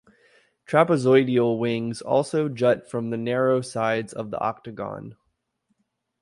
Trapezoidal wings also jut from the narrow sides of the octagon.